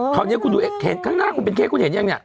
คราวนี้คุณดูข้างหน้าคุณเป็นเค้กคุณเห็นยังเนี่ย